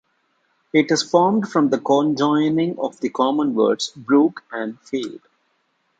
It is formed from the conjoining of the common words "brook" and "field".